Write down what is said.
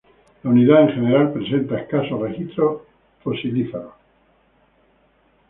La unidad en general presenta escaso registro fosilífero.